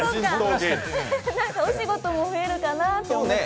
お仕事も増えるかなと思って。